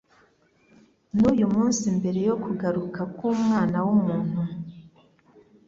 N'uyu munsi, mbere yo kugaruka k'Umwana w'umuntu,